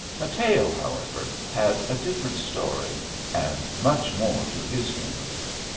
Mateo, however, had a different story, and much more to his humour.